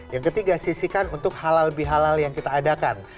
yang ketiga sisikan untuk halal bihalal yang kita adakan